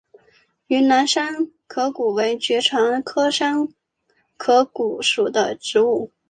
云南山壳骨为爵床科山壳骨属的植物。